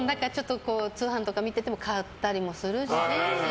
通販とか見てても買ったりもするし。